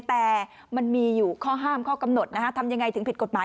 แต่มันมีอยู่ข้อห้ามข้อกำหนดนะฮะทำยังไงถึงผิดกฎหมาย